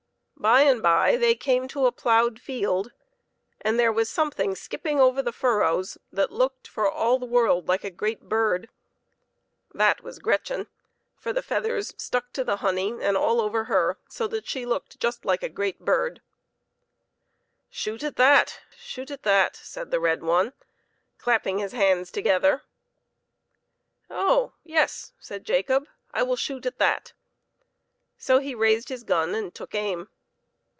By and by they came to a ploughed field, and there was something skipping over the furrows that looked for all the world like a great bird. That was Gretchen ; for the feath ers stuck to the honey and all over her, so that she looked just like a great bird. THE SKILLFUL HUNTSMAN. 7 " Shoot at that ! shoot at that !" said the red one, clapping his hands together. " Oh yes," said Jacob, " I will shoot at that." So he raised his gun and took aim.